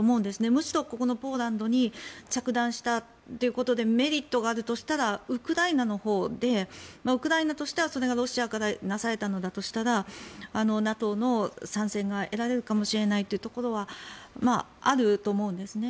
むしろ、ここのポーランドに着弾したということでメリットがあるとしたらウクライナのほうでウクライナとしては、それがロシアからなされたのだとしたらＮＡＴＯの参戦が得られるかもしれないというところはあると思うんですね。